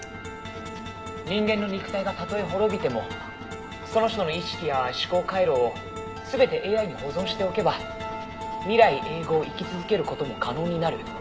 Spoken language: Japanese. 「人間の肉体がたとえ滅びてもその人の意識や思考回路を全てＡＩに保存しておけば未来永劫生き続ける事も可能になる」